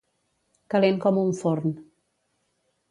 Calent com un forn.